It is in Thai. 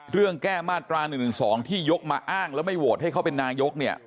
แก้มาตรา๑๑๒ที่ยกมาอ้างแล้วไม่โหวตให้เขาเป็นนายก